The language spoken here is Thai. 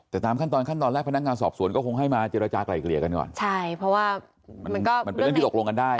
แต่ตามขั้นตอนขั้นตอนแรกพนักงานสอบสวนก็คงให้มาเจรจากลายเกลี่ยกันก่อนใช่เพราะว่ามันก็มันเป็นเรื่องที่ตกลงกันได้